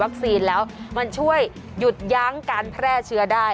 ถ้าฉีดวัคซีนแล้วมันช่วยหยุดย้างการแพร่เชื้อได้